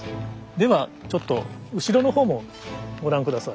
ではちょっと後ろの方もご覧下さい。